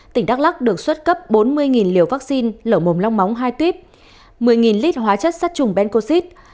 tỉnh đắk lắc được xuất cấp bốn mươi liều vaccine lở mồm long móng hai tuyếp một mươi lít hóa chất sát trùng bencoxit